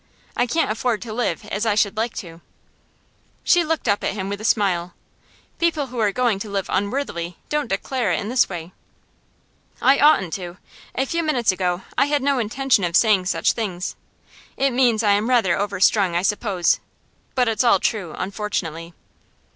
I can't afford to live as I should like to.' She looked up at him with a smile. 'People who are going to live unworthily don't declare it in this way.' 'I oughtn't to; a few minutes ago I had no intention of saying such things. It means I am rather overstrung, I suppose; but it's all true, unfortunately.